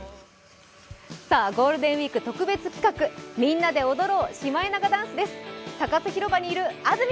ゴールデンウイーク特別企画、「みんなで踊ろう！シマエナガダンス」です。